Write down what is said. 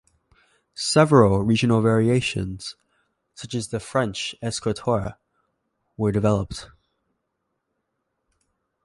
Several regional variations, such as the French escritoire, were developed.